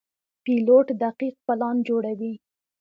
پیلوټ دقیق پلان جوړوي.